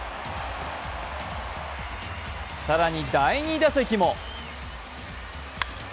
更に、第２打席も。